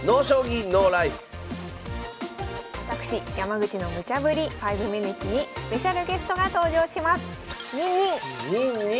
私山口のムチャぶり「５ｍｉｎｕｔｅｓ」にスペシャルゲストが登場します。